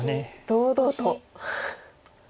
堂々と。